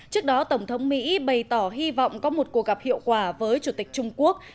trước đó tổng thống mỹ bày tỏ hy vọng có một cuộc gặp hiệu quả với chủ tịch trung quốc